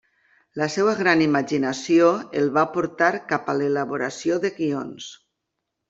La seva gran imaginació el va portar cap a l'elaboració de guions.